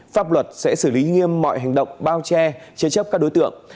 pháp luật sẽ xử lý nghiêm mọi hành động bao che chế chấp các đối tượng